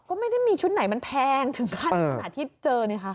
ก็ไม่ได้มีชุดไหนมันแพงถึงขั้นขนาดที่เจอนี่ค่ะ